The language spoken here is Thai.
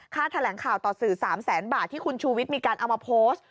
แถลงข่าวต่อสื่อ๓แสนบาทที่คุณชูวิทย์มีการเอามาโพสต์